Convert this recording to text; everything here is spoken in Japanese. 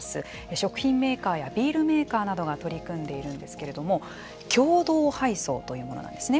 食品メーカーやビールメーカーなどが取り組んでいるんですけれども共同配送というものなんですね。